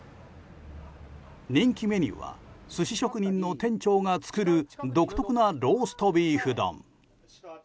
人気メニューは寿司職人の店長が作る独特なローストビーフ丼。